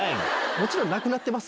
「もちろん亡くなってます」？